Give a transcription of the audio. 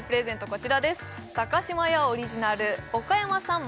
こちらです